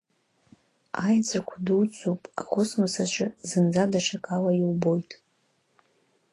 Аеҵәақәа дуӡӡоуп, акосмос аҿы зынӡа даҽакала иубоит.